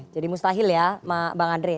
jadi mustahil ya bang andre